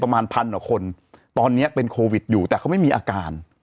ประมาณพันกว่าคนตอนนี้เป็นโควิดอยู่แต่เขาไม่มีอาการ